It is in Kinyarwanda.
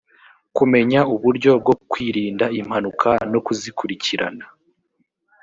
kumenya uburyo bwo kwirinda impanuka no kuzikurikirana